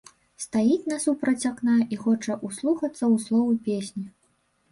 Стаіць насупраць акна і хоча ўслухацца ў словы песні.